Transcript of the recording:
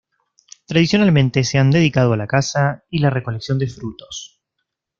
Tradicionalmente se han dedicado a la caza y la recolección de frutos.